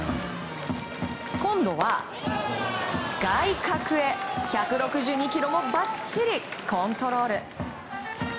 今度は外角へ１６２キロもばっちりコントロール。